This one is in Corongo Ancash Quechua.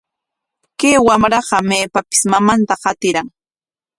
Kay wamraqa maypapis mamanta qatiran.